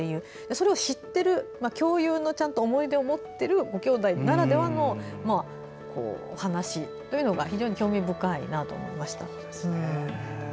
それを知ってる共有の思い出を持ってるご兄弟ならではの話というのが非常に興味深いなと思いました。